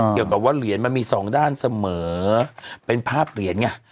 เกี่ยวกับว่าเหรียญมันมีสองด้านเสมอเป็นภาพเหรียญไง